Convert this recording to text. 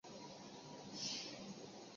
宽政九年。